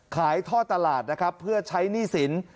ท่อตลาดนะครับเพื่อใช้หนี้สิน